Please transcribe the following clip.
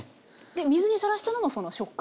水にさらしたのがその食感。